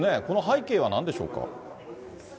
この背景はなんでしょうか。